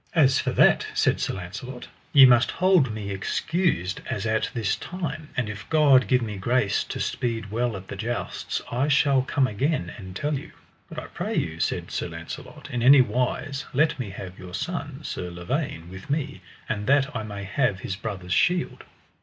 As for that, said Sir Launcelot, ye must hold me excused as at this time, and if God give me grace to speed well at the jousts I shall come again and tell you. But I pray you, said Sir Launcelot, in any wise let me have your son, Sir Lavaine, with me, and that I may have his brother's shield.